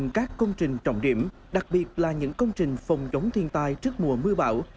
các công trình trọng điểm đặc biệt là những công trình phòng chống thiên tai trước mùa mưa bão